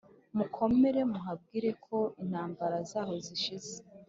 Mukomere muhabwire ko intambara zaho zishize